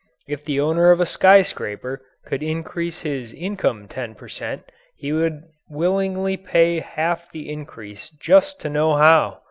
If the owner of a skyscraper could increase his income 10 per cent., he would willingly pay half the increase just to know how.